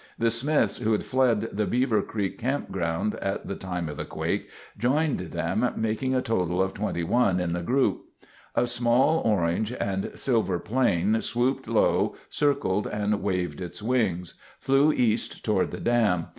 The Smiths, who'd fled the Beaver Creek Campground at the time of the quake, joined them, making a total of 21 in the group. A small, orange and silver plane swooped low, circled, and waving its wings, flew east toward the dam.